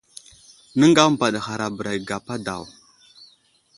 Nəŋga məmbaɗ ghar a bəra ge gapa daw.